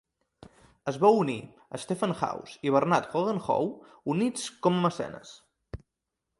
Es va unir a Stephen House i Bernard Hogan-Howe units com a mecenes.